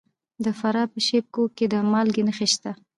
د فراه په شیب کوه کې د مالګې نښې شته.